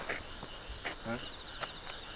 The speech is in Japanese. えっ？